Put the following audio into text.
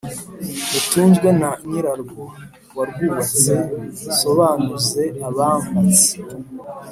Rutunzwe na nyirarwo warwubatse, Nsobanuze abampatse